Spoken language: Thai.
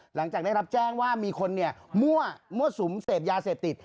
หลังจากนี้ครับแจ้งว่ามีคนเนี่ยมั่วมั่วสุมเสพยาเสพติด